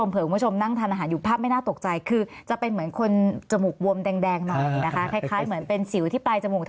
ผสมอยากดูแบบนี้